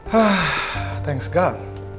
haaah thanks gang